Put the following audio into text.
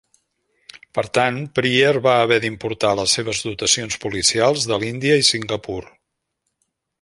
Per tant, Pryer va haver d'importar les seves dotacions policials de l'Índia i Singapur.